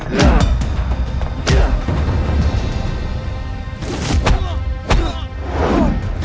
jangan jadi pengkerjot